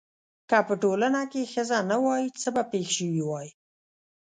که په ټولنه کې ښځه نه وای څه به پېښ شوي واي؟